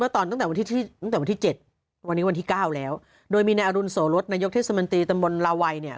ตั้งแต่วันที่๗วันนี้วันที่๙แล้วโดยมีนาอรุณโสฬสนายกเทศมนตรีตำบลลาวัยเนี่ย